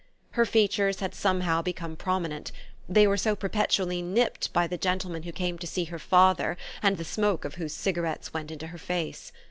Her features had somehow become prominent; they were so perpetually nipped by the gentlemen who came to see her father and the smoke of whose cigarettes went into her face.